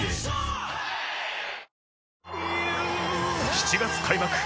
７月開幕